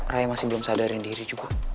raya masih belum sadarin diri juga